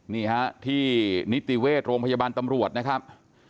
นี่ฮะที่นิติเวชโรงพยาบาลตำรวจนะครับ